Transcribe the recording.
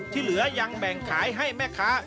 ที่เหลือยังแบ่งขายให้แม่ค้า